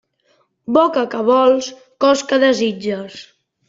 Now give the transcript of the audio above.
Boca què vols, cos què desitges.